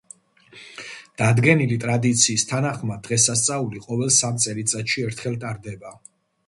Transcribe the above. დადგენილი ტრადიციის თანახმად, დღესასწაული ყოველ სამ წელიწადში ერთხელ ტარდება.